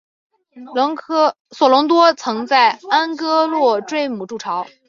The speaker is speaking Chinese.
索隆多曾在安戈洛坠姆筑巢。